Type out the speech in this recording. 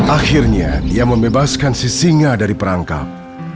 akhirnya dia membebaskan sisinga dari perangkap